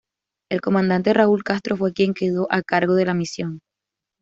El Comandante Raúl Castro fue quien quedó a cargo de la misión.